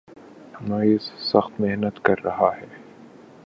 معیز سخت محنت کر رہا ہے